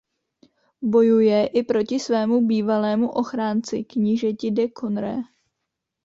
Bojuje i proti svému bývalému ochránci knížeti de Condé.